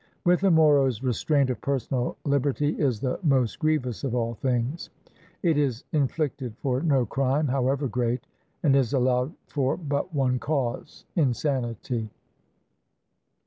With the Moros restraint of personal Hberty is the most grievous of all things; it is inflicted for no crime, however great, and is allowed for but one cause, — insanity.